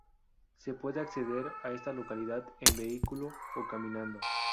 Se puede acceder a esta localidad en vehículo o caminando.